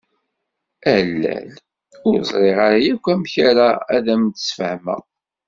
Ala! Ur ẓriɣ ara akk amek ara ad am-d-sfahmeɣ.